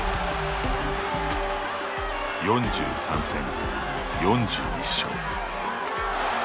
４３戦４１勝。